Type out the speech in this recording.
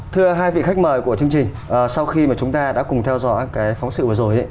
thưa hai vị khách mời của chương trình sau khi mà chúng ta đã cùng theo dõi cái phóng sự vừa rồi